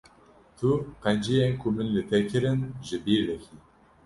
Tu qenciyên ku min li te kirin ji bir dikî.